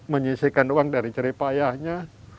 menyisihkan uang dari ceripayahnya